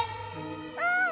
うん！